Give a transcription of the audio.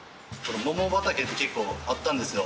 桃畑って結構あったんですよ。